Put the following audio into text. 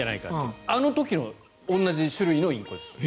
あの時のと同じ種類のインコです。